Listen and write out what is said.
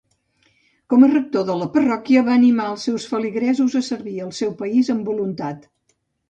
Com a rector de la parròquia, va animar els seus feligresos a servir el seu país amb voluntat.